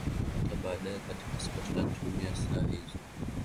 hata baadaye katika Scotland Tumia saa hizo